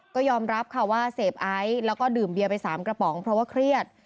ก็ยอมรับค่ะว่าเสพไอซ์แล้วก็ดื่มเบียร์ไป๓กระป๋องเพราะว่าเครียด